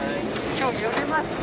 今日揺れますね。